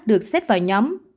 được xếp vào nhóm